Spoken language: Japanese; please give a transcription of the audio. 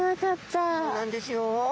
そうなんですよ。